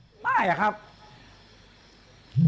ตำรวจบอกว่าภายในสัปดาห์เนี้ยจะรู้ผลของเครื่องจับเท็จนะคะ